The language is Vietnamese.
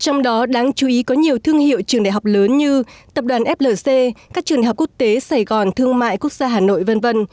trong đó đáng chú ý có nhiều thương hiệu trường đại học lớn như tập đoàn flc các trường đại học quốc tế sài gòn thương mại quốc gia hà nội v v